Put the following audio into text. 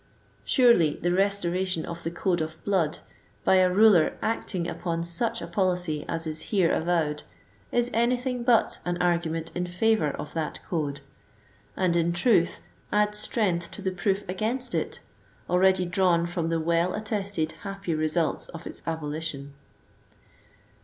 Surely the restoration of the code of blood, by a ruler acting upon such a policy as is here avowed, is anything but an argument in favor of that code; and in truth adds strength to the proof against it, already drawn from the well attested happy results of its abolition.